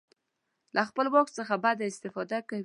له خپل واک څخه بده استفاده کوي.